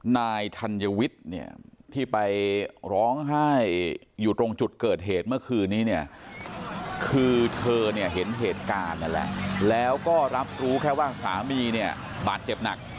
นายธัญวิทย์เนี่ยที่ไปร้องไห้อยู่ตรงจุดเกิดเหตุเมื่อคืนนี้เนี่ยคือเธอเนี่ยเห็นเหตุการณ์นั่นแหละแล้วก็รับรู้แค่ว่าสามีเนี่ยบาดเจ็บหนัก